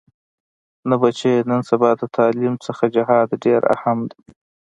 نه بچيه نن سبا د تعليم نه جهاد ډېر اهم دې.